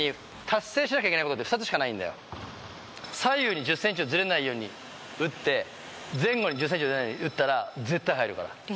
左右に１０センチ以上ズレないように打って前後に１０センチ以上ズレないように打ったら絶対入るから。